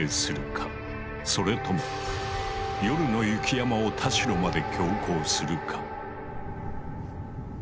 それとも夜の雪山を田代まで強行するか。